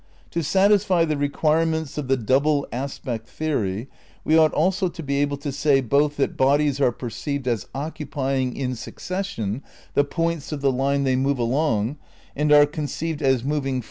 To satisfy the requirements of the double aspect theory we ought also to be able to say both that bodies are per ceived as occupying in succession the points of the line they move along and are conceived as moving from ^The Antinomy, p.